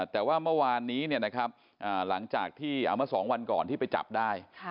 แต่ว่าเมื่อวานนี้หลังจากที่เอามา๒วันก่อนที่ไปจับได้